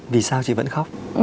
vì sao chị vẫn khóc